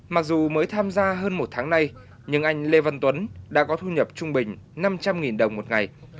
mặc dù mới tham gia hơn một tháng nay nhưng anh lê văn tuấn đã có thu nhập trung bình năm trăm linh đồng một ngày